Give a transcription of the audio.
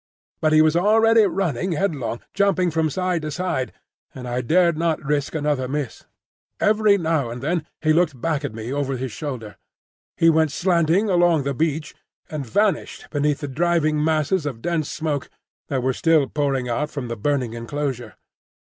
But he was already running headlong, jumping from side to side, and I dared not risk another miss. Every now and then he looked back at me over his shoulder. He went slanting along the beach, and vanished beneath the driving masses of dense smoke that were still pouring out from the burning enclosure.